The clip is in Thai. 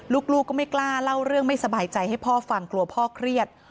ลูกก็ไม่กล้าเล่าเรื่องไม่สบายใจให้พ่อฟังกลัวพ่อเครียด